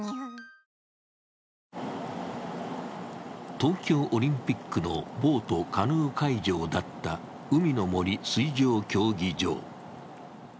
東京オリンピックのボート・カヌー会場だった海の森水上競技場。